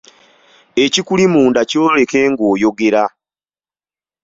Ekikuli munda kyoleke ng'oyogera.